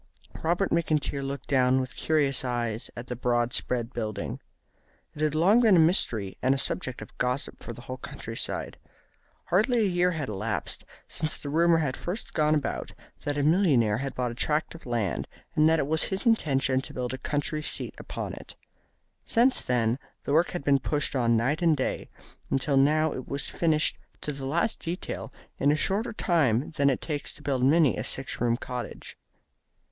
Robert McIntyre looked down with curious eyes at the broad spread building. It had long been a mystery and a subject of gossip for the whole country side. Hardly a year had elapsed since the rumour had first gone about that a millionaire had bought a tract of land, and that it was his intention to build a country seat upon it. Since then the work had been pushed on night and day, until now it was finished to the last detail in a shorter time than it takes to build many a six roomed cottage.